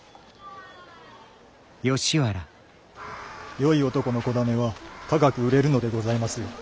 よい男の子種は高く売れるのでございますよ。